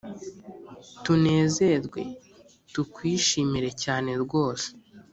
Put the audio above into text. Tunezerwe tukwishimire cyane rwose